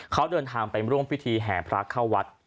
เขาเดินทางไปร่วมพิธีแห่พระเข้าวัด